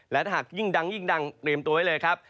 และถ้าหากยิ่งดังเริ่มตัวไว้เลยครับ